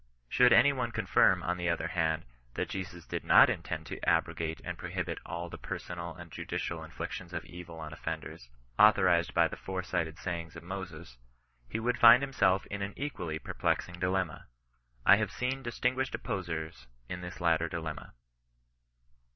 Should any one affirm, on the other hand, that Jesus did not intend to abrogate and prohibit all the personal and judicial inflictions of evil on offenders, authorized by the fore cited sayings of Moses, he would find himself in an equally perplexing dilemma. I have seen distinguished opposers in this latter dilemma.